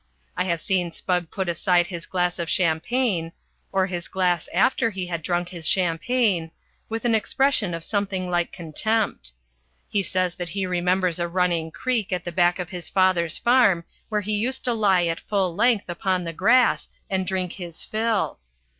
I have seen Spugg put aside his glass of champagne or his glass after he had drunk his champagne with an expression of something like contempt. He says that he remembers a running creek at the back of his father's farm where he used to lie at full length upon the grass and drink his fill.